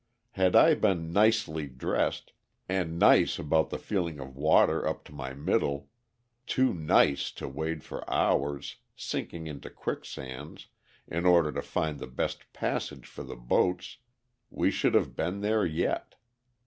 Had I been "nicely" dressed, and "nice" about the feeling of water up to my middle, too "nice" to wade for hours, sinking into quicksands, in order to find the best passage for the boats, we should have been there yet.